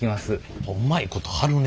うまいこと貼るね。